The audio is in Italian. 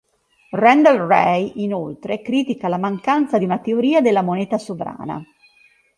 Randall Wray, inoltre, critica la mancanza di una "teoria della moneta sovrana".